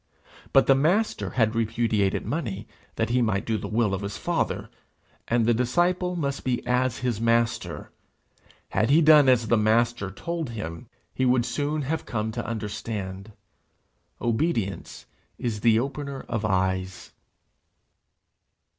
But the Master had repudiated money that he might do the will of his Father; and the disciple must be as his master. Had he done as the Master told him, he would soon have come to understand. Obedience is the opener of eyes.